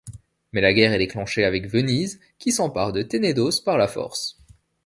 Mais la guerre est déclenchée avec Venise, qui s'empare de Ténédos par la force.